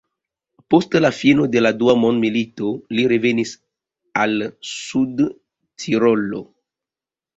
Post la fino de la dua mondmilito li revenis al Sudtirolo.